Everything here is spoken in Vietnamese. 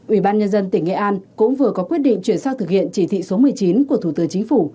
ubnd tỉnh nghệ an cũng vừa có quyết định chuyển sang thực hiện chỉ thị số một mươi chín của thủ tướng chính phủ